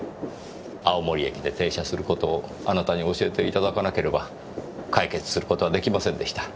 青森駅で停車する事をあなたに教えて頂かなければ解決する事は出来ませんでした。